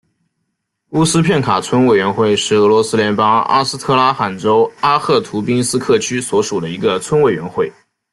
乌斯片卡村委员会是俄罗斯联邦阿斯特拉罕州阿赫图宾斯克区所属的一个村委员会。